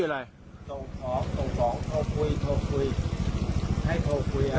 ส่งผองส่งผองโทรคุยโทรคุยให้โทรคุยเอา